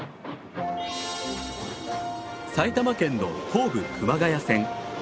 埼玉県の東武熊谷線。